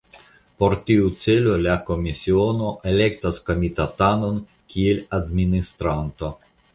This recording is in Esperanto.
Por tiu celo la Komisiono elektas Komitatanon kiel Administranto.